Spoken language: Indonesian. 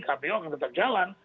kpu akan tetap jalan